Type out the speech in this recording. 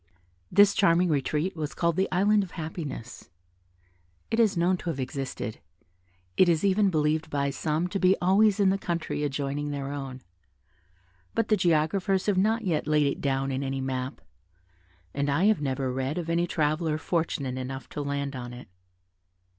This charming retreat was called the "Island of Happiness." It is known to have existed; it is even believed by some to be always in the country adjoining their own; but the geographers have not yet laid it down in any map, and I have never read of any traveller fortunate enough to land on it.